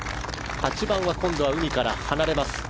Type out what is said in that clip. ８番は今度は海から離れます。